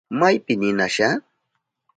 ¿Maypita ninasha?